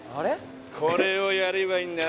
これをやればいいんだな